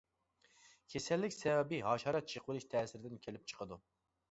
كېسەللىك سەۋەبى ھاشارات چېقىۋېلىش تەسىرىدىن كېلىپ چىقىدۇ.